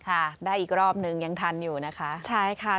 ค่ะได้อีกรอบหนึ่งยังทันอยู่นะคะ